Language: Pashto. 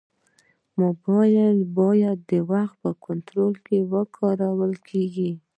موبایل باید د وخت په کنټرول کې وکارېږي.